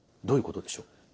どういうことでしょう？